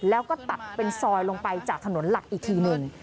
แล้วก็ตัดเป็นซอยลงไปจากถนนหลักอีกทีหนึ่ง